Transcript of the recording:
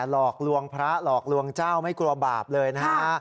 หลอกลวงพระหลอกลวงเจ้าไม่กลัวบาปเลยนะฮะ